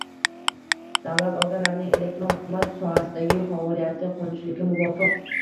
Davlat organlarining elektron hukumat sohasidagi faoliyati qonunchilikka muvofiq